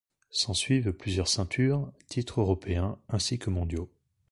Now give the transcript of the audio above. S'en suivent plusieurs ceintures, titres européen ainsi que mondiaux.